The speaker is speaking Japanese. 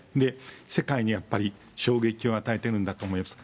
世界にやっぱり衝撃を与えてるんだと思います。